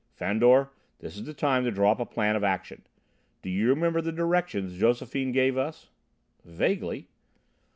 "Fandor, this is the time to draw up a plan of action. Do you remember the directions Josephine gave us?" "Vaguely."